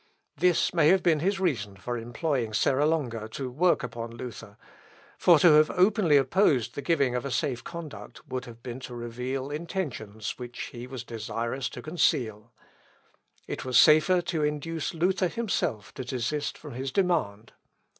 This may have been his reason for employing Serra Longa to work upon Luther; for to have openly opposed the giving of a safe conduct would have been to reveal intentions which he was desirous to conceal. It was safer to induce Luther himself to desist from his demand.